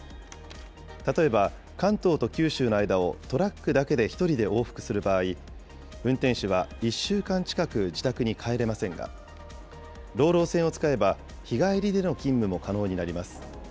例えば関東と九州の間をトラックだけで１人で往復する場合、運転手は１週間近く自宅に帰れませんが、ＲＯＲＯ船を使えば、日帰りでの勤務も可能になります。